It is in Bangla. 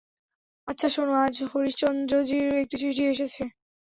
আচ্ছা শোন, আজ হরিশচন্দ্রজির একটি চিঠি এসেছে।